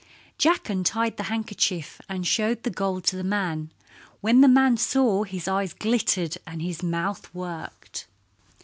Jack untied the handkerchief and showed the gold to the man. When the man saw it his eyes glittered and his mouth worked.